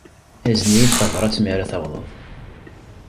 Azen-iyi-d tabṛat mi ara tawḍed.